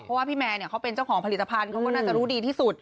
เพราะว่าพี่แมร์เขาเป็นเจ้าของผลิตภัณฑ์เขาก็น่าจะรู้ดีที่สุด